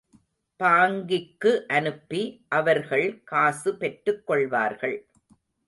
பாங்கிக்கு அனுப்பி அவர்கள் காசு பெற்றுக் கொள்வார்கள்.